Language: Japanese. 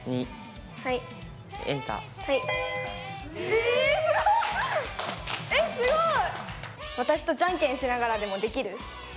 えーっ、すごい！